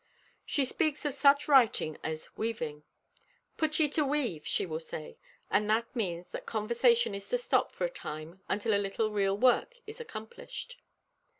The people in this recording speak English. She speaks of such writing as "weaving." "Put ye to weave," she will say, and that means that conversation is to stop for a time until a little real work is accomplished.